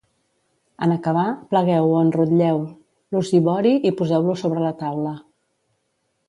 En acabar, plegueu o enrotlleu l'oshibori i poseu-lo sobre la taula.